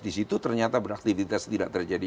di situ ternyata beraktivitas tidak terjadi